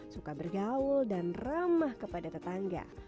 suka bergaul dan ramah kepada tetangga